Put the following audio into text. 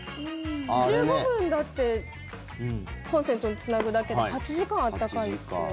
１５分だってコンセントにつなぐだけで８時間温かいって。